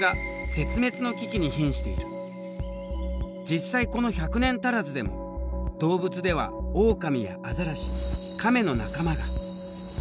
実際この１００年足らずでも動物ではオオカミやアザラシカメの仲間が。